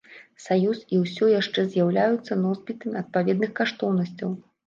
Саюз і ўсё яшчэ з'яўляюцца носьбітамі адпаведных каштоўнасцяў.